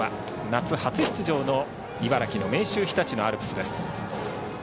夏初出場の茨城の明秀日立のアルプス。